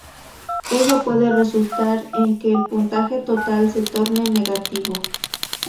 Ello puede resultar en que el puntaje total se torne negativo.